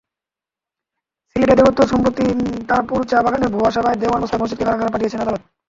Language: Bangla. সিলেটে দেবোত্তর সম্পত্তি তারাপুর চা-বাগানের ভুয়া সেবায়েত দেওয়ান মোস্তাক মজিদকে কারাগারে পাঠিয়েছেন আদালত।